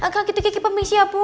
kalau gitu gigi pamit siap bu